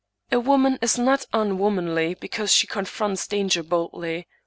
A woman is not unwomanly because she confronts danger boldly.